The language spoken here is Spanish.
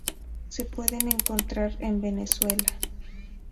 Se pueden encontrar en Venezuela.